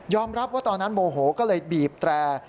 รับว่าตอนนั้นโมโหก็เลยบีบแตร